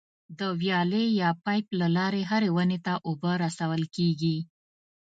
د ویالې یا پایپ له لارې هرې ونې ته اوبه رسول کېږي.